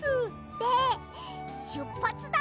で「しゅっぱつだ！